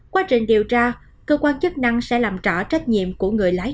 qua trình điều tra cơ quan chức năng sẽ làm trỏ trách nhiệm của người lái